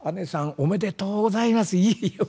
おめでとうございます。